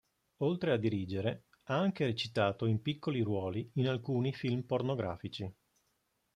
Oltre a dirigere, ha anche recitato in piccoli ruoli in alcuni film pornografici.